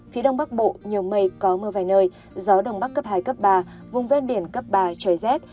phía đông bắc bộ nhiều mây có mưa vài nơi gió đông bắc cấp hai cấp ba vùng ven biển cấp ba trời rét